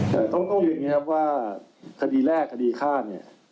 แต่ต้องเรียนอย่างนี้ครับว่าคดีแรกคดีฆ่าเนี่ย